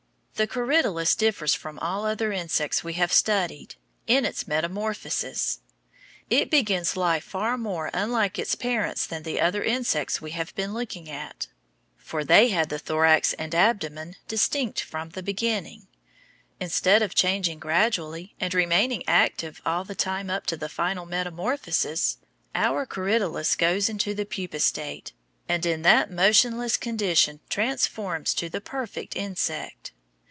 The corydalus differs from all the other insects we have studied, in its metamorphosis. It begins life far more unlike its parents than the other insects we have been looking at, for they had the thorax and abdomen distinct from the beginning. Instead of changing gradually and remaining active all the time up to the final metamorphosis, our corydalus goes into the pupa state, and in that motionless condition transforms to the perfect insect.